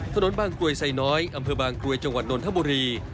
ถนนบางกรวยสายน้อยอำเภอบางกรวยจังหวัดนท์ธบรี